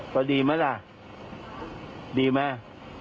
พอดีไหมล่ะดีไหม